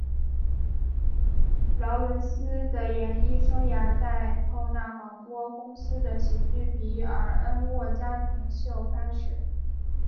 劳伦斯的演艺生涯在透纳广播公司的喜剧比尔恩格沃家庭秀开始。